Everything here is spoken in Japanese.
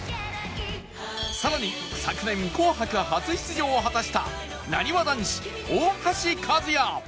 更に昨年『紅白』初出場を果たしたなにわ男子大橋和也